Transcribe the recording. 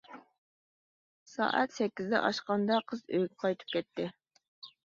سائەت سەككىزدىن ئاشقاندا قىز ئۆيىگە قايتىپ كەتتى.